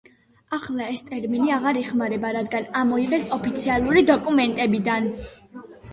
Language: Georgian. ახლა ეს ტერმინი აღარ იხმარება, რადგან ამოიღეს ოფიციალური დოკუმენტებიდან.